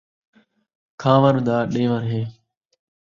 کھان٘وݨ دا ݙیݨ ایں